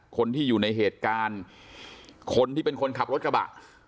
คนที่อยู่ในเหตุการณ์คนที่เป็นคนขับรถกระบะ